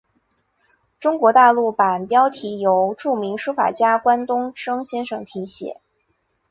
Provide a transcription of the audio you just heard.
中国大陆版标题由著名书法家关东升先生提写。